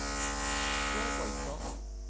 何か言った？